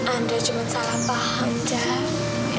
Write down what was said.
andre cuma salah paham jeff